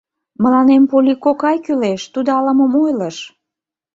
Мыланем Полли кокай кӱлеш... тудо ала-мом ойлыш.